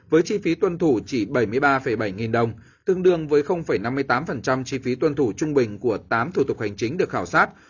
với chi phí tuân thủ chỉ bảy mươi ba bảy nghìn đồng tương đương với năm mươi tám chi phí tuân thủ trung bình của tám thủ tục hành chính được khảo sát